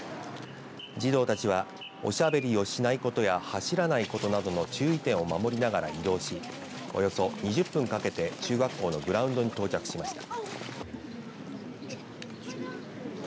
児童たちは、おしゃべりをしないことや走らないことなどの注意点を守りながら移動しおよそ２０分かけて中学校のグラウンドに到着しました。